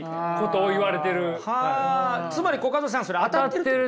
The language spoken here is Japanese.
つまりコカドさんそれ当たってるって。